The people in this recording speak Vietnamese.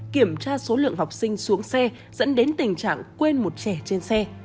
kiểm tra số lượng học sinh xuống xe dẫn đến tình trạng quên một trẻ trên xe